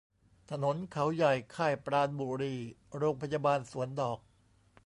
ถนนเขาใหญ่ ค่ายปราณบุรี โรงพยาบาลสวนดอก